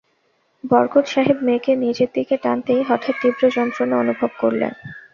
বরকত সাহেব মেয়েকে নিজের দিকে টানতেই হঠাৎ তীব্র যন্ত্রণা অনুভব করলেন।